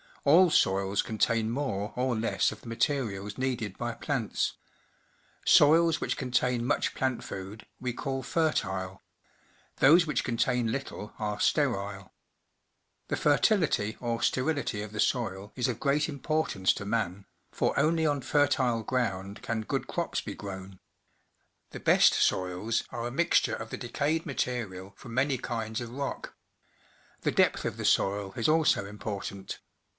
All soils contain more or less of the materials needed by plants. Soils which contain much plant food we call fertile; those which contain little are sterile. The fertility or sterility of the soil is of great importance to man, for only on fertile ground can good crops be grown. The best soils are a mixture of the decayed material from many kinds of rock. The depth of the soil is also important